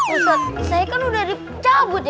pusat saya kan udah dicabut ya